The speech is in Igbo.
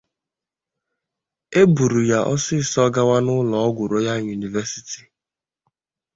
E buru ya ọsịịsọ gawa n’ụlọ ọgwụ Royal University